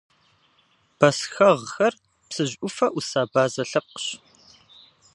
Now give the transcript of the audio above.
Бэсхэгъхэр Псыжь ӏуфэ ӏус абазэ лъэпкъщ.